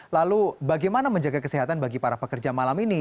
lalu bagaimana menjaga kesehatan bagi para pekerja malam ini